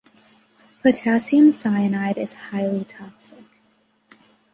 Potassium cyanide is highly toxic.